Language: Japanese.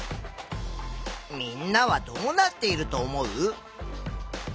みんなはどうなっていると思う？